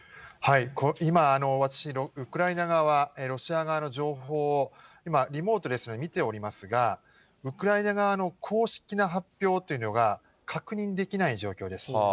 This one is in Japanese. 今、私、ウクライナ側、ロシア側の情報を、今、リモートですけれども、見ておりますが、ウクライナ側の公式な発表というのが、確認できない状況です。